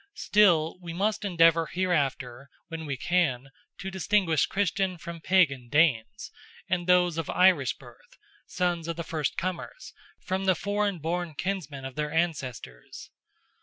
Still, we must endeavour hereafter, when we can, to distinguish Christian from Pagan Danes, and those of Irish birth, sons of the first comers, from the foreign born kinsmen of their ancestors.